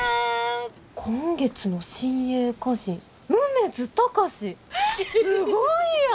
「今月の新鋭歌人梅津貴司」！えっすごいやん！